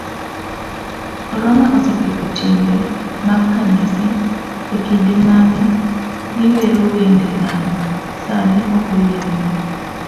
Korona oseketho timbe mag kanise, ekinde mane giwero wende lamo, sani okoyienegi.